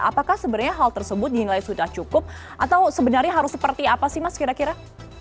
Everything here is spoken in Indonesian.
apakah sebenarnya hal tersebut dinilai sudah cukup atau sebenarnya harus seperti apa sih mas kira kira